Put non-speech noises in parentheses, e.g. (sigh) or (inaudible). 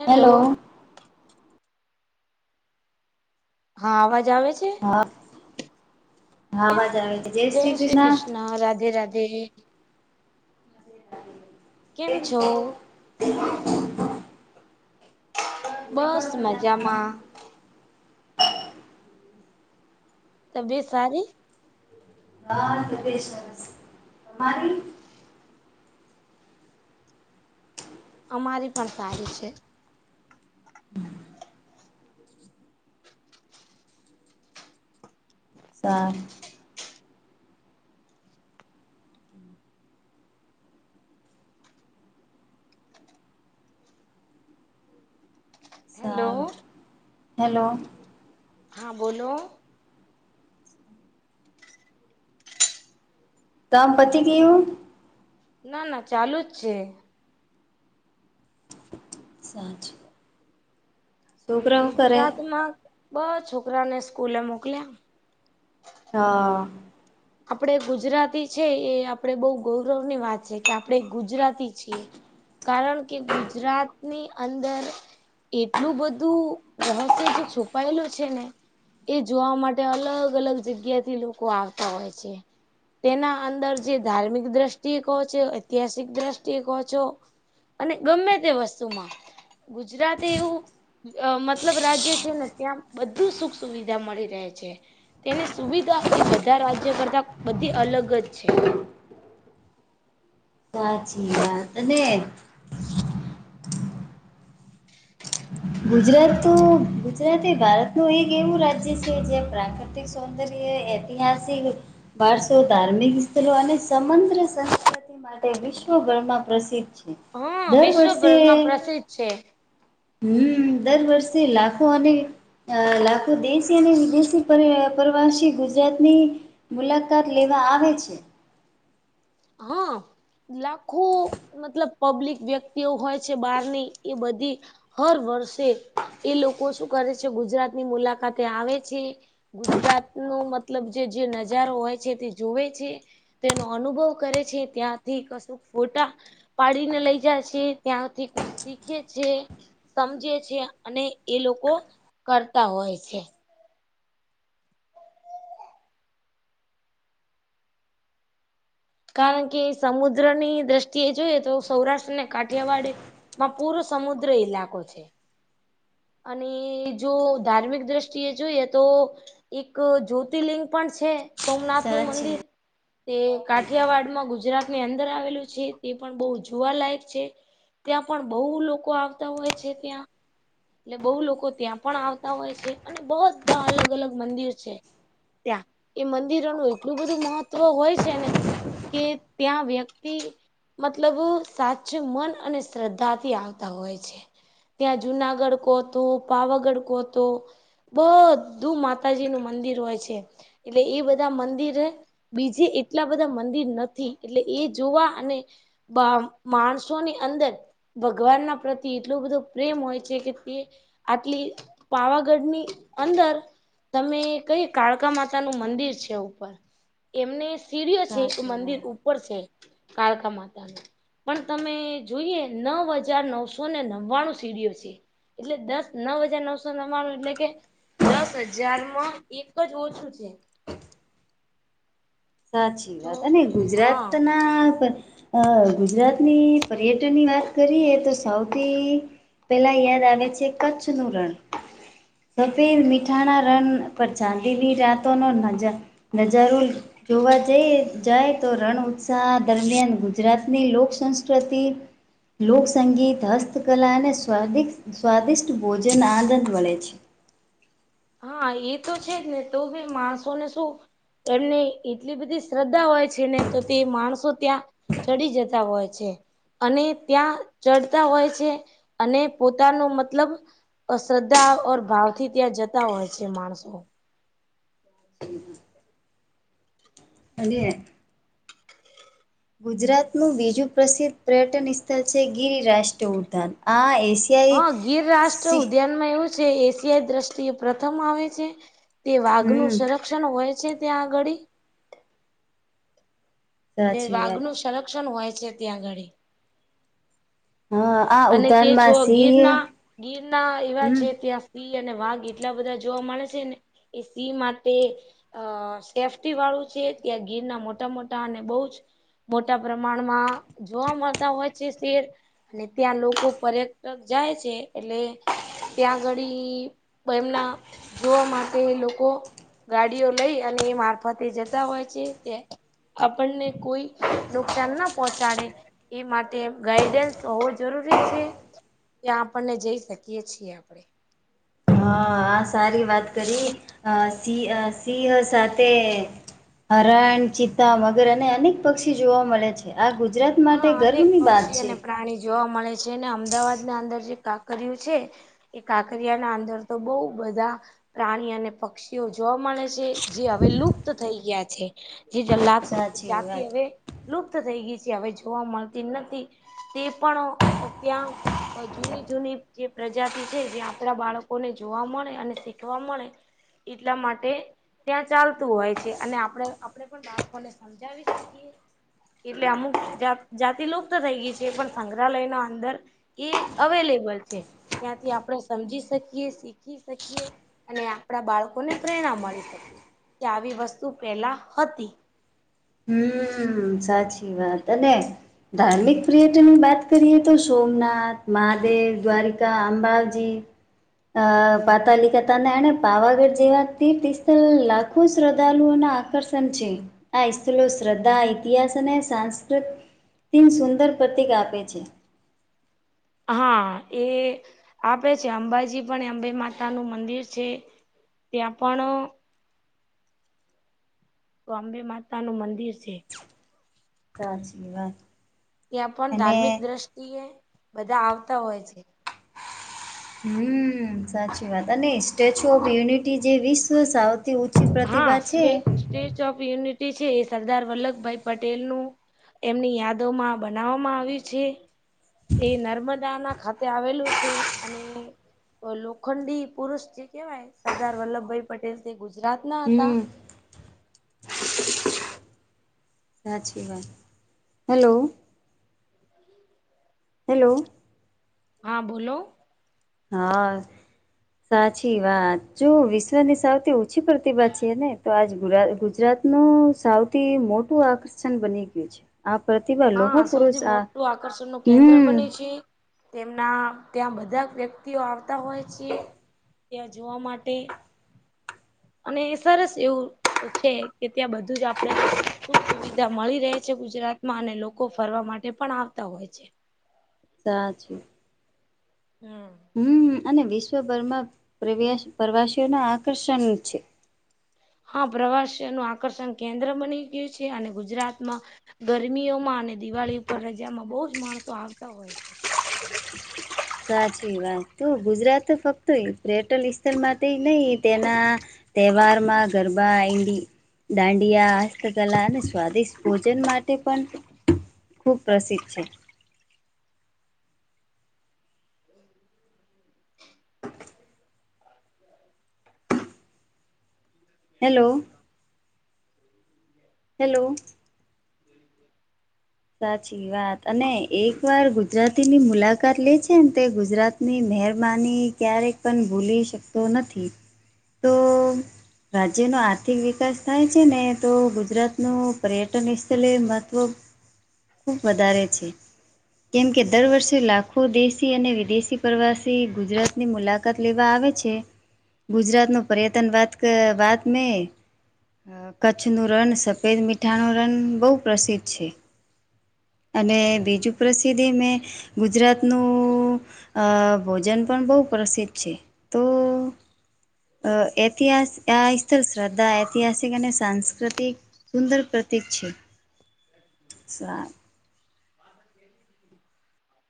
Hello. હા, અવાજ આવે છે. હ, હા, મજા આવે છે. જય શ્રી કૃષ્ણ. હ, રાધે રાધે. કેમ છો એ. બસ મજામાં. તે બી સારી. તમારી. અમારી પણ સારી છે. (unintelligible) સાત. હેલો સારું, હેલો. હા, બોલો. તમે પછી કેવું. ના, ના, ચાલુ જ છે. સાચું. છોકરાઓ કરે ગુજરાત માં બ છોકરાને સ્કૂલે મોકલ્યા. હમ હા. આપણે ગુજરાતી છીએ, આપણેે બહુ ગૌરવની વાત છે કે આપણે ગુજરાતી છીએ. કારણ કે ગુજરાતની અંદર. એટલું બધું રહસ્ય, જે છુપાયેલું છે ને. એ જોવા માટે અલગ અલગ જગ્યાથી લોકો આવતા હોય છે. તેના અંદર, જે ધાર્મિક દ્રષ્ટિએ કહો છો, ઐતિહાસિક દ્રષ્ટિએ કોહો છો. અને ગમે તે વસ્તુમાં ગુજરાતી એવું. અ મતલબ રાજ્ય છે ને, ત્યાં બધું સુખ સુવિધા મળી રહે છે. તેની સુવિધા એ બધા રાજ્ય કરતા બધી અલગ જ છે. સાચી વાત છે. ગુજરાત તો ગુજરાત એ ભારતનું એક એવું રાજ્ય છે, જ્યાં પ્રાક સૌંદર્ય, ઐતિહાસિક. વરસો, ધાર્મિક સ્થળો અને સમદ્ર સંસ્ક્રુતિ. માટે વિશ્વભરમાં પ્રસિદ્ધ છે, હા દર વર્ષે. વિશ્વભરમાં પ્રસિદ્ધ છે. હમ્મ, દર વર્ષે લાખો અને અ લાખો દેશી અને વિદેશી પર અ પ્રવાસી ગુજરાતની મુલાકાત લેવા આવે છે. હ. લાખો મતલબ પબ્લિક વ્યક્તિઓ હોય છે બહારની એ બધી હર વર્ષે એ લોકો શું કરે છે ગુજરાત ની મુલાકાતે આવે છે ગુજરાત નું મતલબ જે જે નજારો હોય છે તે જોવે છે, તેનો અનુભવ કરે છે, ત્યાંથી કશું ફોટા પાડીને લઈ જાય છે ત્યાંથી કુસ શીખે છે સમજે છે અને એ લોકો કરતા હોય છે. કારણ કે સમુદ્રની દ્રષ્ટિએ જોઈએ તો સૌરાષ્ટ્ર ને કાઠિયાવાડે માં પૂરો સમુદ્ર ઈલાકો છે અને જો ધાર્મિક દ્રષ્ટિએ જોઈએ તો એક જો તિલિંગ પણ છે, સોમનાથ નું સાચી મંદિર તે કાઠિયાવાડમાં ગુજરાત ની અંદર આવેલું છે, તે પણ બો જુવાલાયક છે ત્યાં પણ બઉ લોકો આવતા હોય છે ત્યાં એટલે બઉ લોકો ત્યાં પણ આવતા હોય છે અને બધા અલગ અલગ મંદિર છે ત્યાં, એ મંદિરનું એટલું બધું મહત્વ હોય છે ને કે ત્યાં વ્યક્તિ મતલબ સાચું મન અને શ્રદ્ધાથી આવતા હોય છે, ત્યાં જુના ગડ કોતો, પાવાગડ કોતો બધું માતાજી નું મંદિર હોય છે એટલે ઈ બધા મંદિર અ બીજી એટલા બધા મંદિર નથી, એટલે એ જોવા અને બા, માણસોની અંદર ભગવાન ના પ્રતિ એટલું બધું પ્રેમ હોય છે કે તે આટલી પાવાગઢની અંદર તમે કઈ કાળકા માતા નું મંદિર છે ઉપર એમને સીર્ય છે, એ સાચી વાત. મંદિર ઉપર છે કાળકા માતા નું પણ તમે જોઈએ નવ હજાર નવસોને નવ્વાણું સીડીઓ છે. એટલે દસ, નવ હજાર નવસો નવ્વાણું એટલે કે દસ હજારમાં એક જ ઓછું છે. સાચી તો વાત અને હા ગુજરાત ના પર અ ગુજરાતની પર્યટની વાત કરીએ તો સૌથી પેલા યાદ આવે છે કચ્છ નું રણ સફે મીઠાણા રન પર ચાંદવી રાતો નો નજા નજારો જોવા જઈ જાય તો રણ ઉત્સા દરમિયાન ગુજરાતની લોક સંસ્ક્રતિ લોકસંગીત, હસ્તકલા અને સ્વાદિ સ્વાદિષ્ટ ભોજન આનંદ મલે છે. હા એ તો છે જ ને તો ભી માણસોને શું એમની એટલી બધી શ્રદ્ધા હોય છે ને તો તે માણસો ત્યાં ચડી જતા હોય છે. અને ત્યાં ચડતા હોય છે અને પોતાનું મતલબ અશ્રદ્ધા ઓર ભાવથી ત્યાં જતા હોય છે માણસો. (inaudible) અને ગુજરાતનું બીજું પ્રસિદ્ધ પ્રયટન ઈસ્થલ છે ગિરિરાષ્ટ્રય ઉદ્યાન, આ એશિ હા ગીર રાષ્ટ્ર ઉદ્યાન માં એવું છે એશિયાઈ દ્રષ્ટિ પ્રથમ આવે છે, તે હમ વાઘનું સરખ ક્ષણ હોય છે ત્યાં આગાળી એટલે સાચી વાઘ વાત નું સંરક્ષણ હોય છે ત્યાં આગાડી હા. આ અને તે ઉદ્યાનમાં છો સિંહ ગીરના ગીરના એવા હમ છે ત્યાં સિંહ અને વાઘ એટલા બધા જોવા મળે છે ને એ સિંહ માટે અ સેફ્ટી વાળું છે ત્યાં ગીરના મોટા મોટા અને બો જ મોટા પ્રમાણમાં જોવા મળતા હોય છે શેર અને ત્યાં લોકો પર્યટક જાય છે એટલે ત્યાં અગાળી એમના જોવા માટે એ લોકો ગાડીઓ લઈ અને એ મારફતે જતા હોય છે તે આપણને કોઈ નુકસાન ના પહોંચાડે એ માટે ગાઈડન્સ હો જરૂરી છે ત્યા આપણને જઈ શકીએ છીએ આપણે હા સારી વાત કરી સિંહ સિંહ સાથે હરાણ ચિતતા મગર અને અનેક પક્ષી જોવા મળે છે આ ગુજરાત માટે હા અનેક ગર્વની વાત પક્ષી છે અને પ્રાણી જોવા મળે છે અમદાવાદ ના અંદર જે કાકરયુ છે એ કાકરિયા ના અંદર તો બો બધા પ્રાણી અને પક્ષીઓ જોવા મળે છે જે હવે લુપ્ત થઈ ગયા છે જે જલા સાચી જાતિ વાત હવે લુપ્ત થઈ ગઈ છે જે હવે જોવા મળતી નથી તે પણ ત્યાં જૂની જૂની જે પ્રજાતિ છે જે આપણા બાળકો ને જોવા મળે અને શીખવા મળે એટલા માટે ત્યાં ચાલતું હોય છે અને આપડ આપે ને પણ બાળકોને સમજાવી શકીએ એટલે અમુક જા જાતિ લુપ્ત થઈ ગઈ છે પણ સંગ્રહાલય ના અંદર એ અવેલેબલ છે ત્યાંથી આપણે સમજી શકીએ શીખી શકીએ અને આપણા બાળકોને પ્રેરણા મળી શકે કે આવી વસ્તુ પેલા હતી હમ સાચી વાત અને ધાર્મિક પર્યટન ની વાત કરીએ તો સોમનાથ મહાદેવ દ્વારિકા અંબાજી પાતાલી કા તાને એણે પાવાગઢ જેવા તીર્થ સ્થળ લાખો શ્રદ્ધાળુઓના આકર્ષણ છે આઈસ શ્રદ્ધા ઇતિહાસ અને સાસ્કૃત સુંદર પ્રતીક આપે છે હા એ આપે છે અંબાજી પણ અંબે માતા નું મંદિર છે ત્યાં પણ તો અંબે માતા નું મંદિર છે સાચી વાત ત્યાં પણ અને ધાર્મિક દ્રષ્ટિએ બધા આવતા હોય છે હમ સાચી વાત અને સ્ટેચ્યુ ઓફ યુનિટી જે વિશ્વ સૌથી ઉચુ હા પ્રતિભા છે સ્વે સ્ટેચ્યુ ઓફ યુનિટી છે એ સરદાર વલ્લભભાઈ પટેલનું એમની યાદોમાં બનાવવામાં આવ્યું છે એ નર્મદા ના ખાતે આવેલું છે અને તો લોખંડી પુરુષ જે કેવાય સરદાર વલ્લભભાઈ પટેલ તે ગુજરાત ના હતા હમ સાચી વાત હેલો હેલો હા બોલો હા સાચી વાત જો વિશ્વની સૌથી ઉંચી પ્રતિભા છે ને તો આજ ગુજરાત નું સૌથી મોટું આકર્ષણ બની ગયું છે આ પ્રતિભા લોહ હા પુરુષ સૌથી આ મોટું આકર્ષણ નું કેન્દ્ર હમ બને છે તેમના ત્યાં બધા વ્યક્તિઓ આવતા હોય છે ત્યાં જોવા માટે અને સરસ એવું છે કે ત્યાં બધું જ આપણેે સુખ સુવિધા મળી રહે છે ગુજરાતમાં અને લોકો ફરવા માટે પણ આવતા હોય છે. સાચી હમ્મ. હમ્મ અને વિશ્વભરમાં પ્રવાસ-પ્રવાસીઓના આકર્ષણ છે. હા, પ્રવાસીઓનું આકર્ષણ કેન્દ્ર બની ગયું છે અને ગુજરાતમાં ગરમીઓમાં અને દિવાળી ઉપર રજામાં બહુ જ માણસો આવતા હોય છે. સાચી વાત તો ગુજરાત ફક્ત પર્યટન સ્થળ માટે નહી તેના તહેવારમાં ગરબા આઈ લી દાંડિયા હસ્તકલા અને સ્વાદિષ્ટ ભોજન માટે પણ ખૂબ પ્રસિદ્ધ છે. હમ્મ. હેલો. હેલો. (inaudible) સાચી વાત અને એક વાર ગુ જરાતીની મુલાકાત લે છે ને તે ગુજરાત ની મહેરબાની ક્યારેય પણ ભૂલી શકતો નથી. તો રાજ્યનો આર્થિક વિકાસ થાય છે ને તો ગુજરાતનું પર્યટન સ્થળ એ મહત્વ ખૂબ વધારે છે. કેમ કે દર વર્ષે લાખો દેશ થી અને વિદેશી પ્રવાસી ગુજરાતની મુલાકાત લેવા આવે છે. ગુજરાતનું પર્યટન વાત ક વાત ને અહ કચ્છનું રણ સફેદ મીઠાનો રણ બહુ પ્રસિદ્ધ છે. અને બીજું પ્રસિદ્ધિ એ મેં ગુજરાતનું અહ ભોજન પણ બહુ પ્રસિદ્ધ છે. તો અહ ઐતિહાસ આ એસ સ શ્રદ્ધા ઐતિહાસિક અને સાંસ્કૃતિક સુંદર પ્રતિક છે. સા (inaudible)